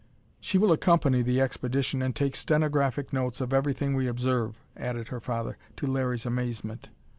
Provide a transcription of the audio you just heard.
"She will accompany the expedition and take stenographic notes of everything we observe," added her father, to Larry's amazement.